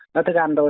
nó thức ăn thôi